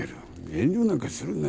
遠慮なんかするな。